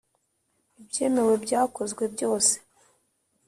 Ibyemewe byakozwe byose